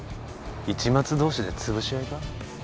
市松同士でつぶし合いか？